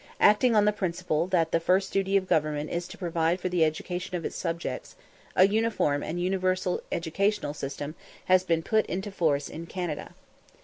Acting on the principle that the first duty of government is to provide for the education of its subjects, a uniform and universal educational system has been put into force in Canada.